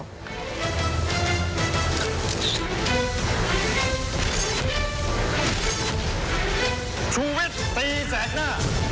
อย่าพูดกับคนเลวเลยผมไม่ต้องการ